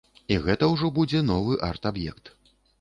І гэта ўжо будзе новы арт-аб'ект.